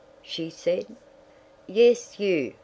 she said. "Yes, you.